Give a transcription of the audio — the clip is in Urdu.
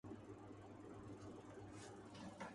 دونوں کی اپنی اپنی لذت ہے